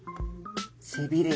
背びれ。